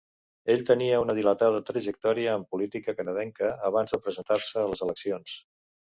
Ell tenia una dilatada trajectòria en política canadenca abans de presentar-se a les eleccions.